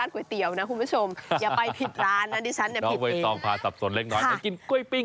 ก๋วยเตี๋ยวไม่ทานฉันก๋วยปิ้ง